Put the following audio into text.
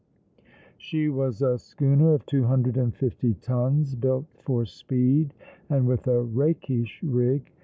She was a schooner of two hundred and fifty tons, built for speed, and with a rakish rig.